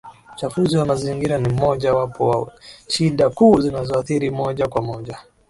Uchafuzi wa mazingira ni moja wapo ya shida kuu zinazoathiri moja kwa moja